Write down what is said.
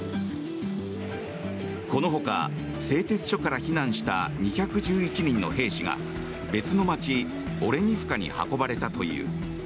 このほか製鉄所から避難した２１１人の兵士が別の街、オレニフカに運ばれたという。